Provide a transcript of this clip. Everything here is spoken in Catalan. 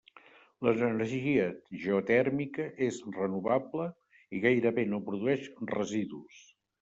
L'energia geotèrmica és renovable i gairebé no produeix residus.